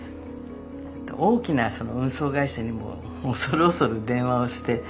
大きな運送会社にも恐る恐る電話をして。